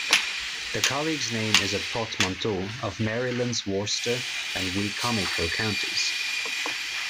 The college's name is a portmanteau of Maryland's Worcester and Wicomico counties.